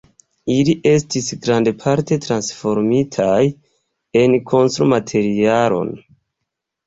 Ili estis grandparte transformitaj en konstru-materialon.